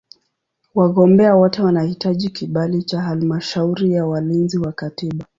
Wagombea wote wanahitaji kibali cha Halmashauri ya Walinzi wa Katiba.